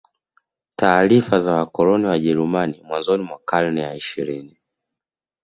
Taarifa za wakoloni Wajerumani mwanzoni mwa karne ya ishirini